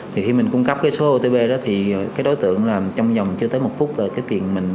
thì khi mình cung cấp cái số otp đó thì cái đối tượng là trong dòng chưa tới một phút rồi cái tiền mình